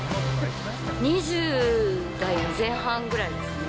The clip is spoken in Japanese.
２０代前半ぐらいですね。